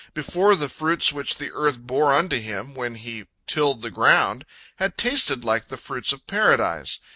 Before, the fruits which the earth bore unto him when he tilled the ground had tasted like the fruits of Paradise.